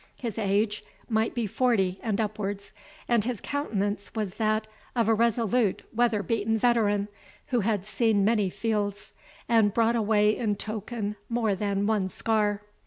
His age might be forty and upwards, and his countenance was that of a resolute weather beaten veteran, who had seen many fields, and brought away in token more than one scar.